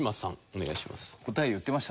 お願いします。